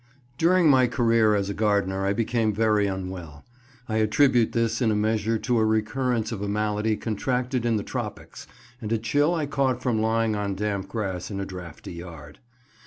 DURING my career as a gardener I became very unwell. I attribute this in a measure to a recurrence of a malady contracted in the tropics, and a chill I caught from lying on damp grass in a draughty yard.